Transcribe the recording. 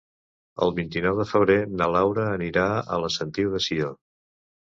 El vint-i-nou de febrer na Laura anirà a la Sentiu de Sió.